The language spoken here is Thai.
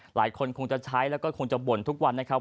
หลายคนคงจะใช้แล้วก็คงจะบ่นทุกวันนะครับ